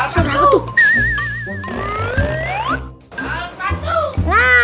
sok berapa tuh